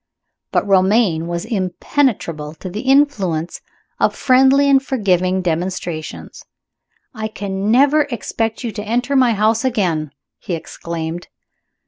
But Romayne was impenetrable to the influence of friendly and forgiving demonstrations. "I can never expect you to enter my house again!" he exclaimed.